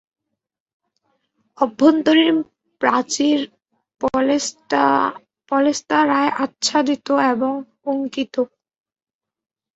অভ্যন্তরীণ প্রাচীর পলেস্তারায় আচ্ছাদিত এবং অঙ্কিত।